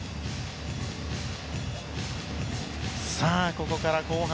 ここから後半。